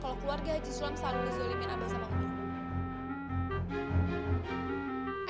kalo keluarga haji sulam selalu ngezolimin abah sama umi